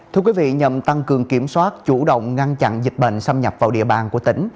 thưa quý vị nhằm tăng cường kiểm soát chủ động ngăn chặn dịch bệnh xâm nhập vào địa bàn của tỉnh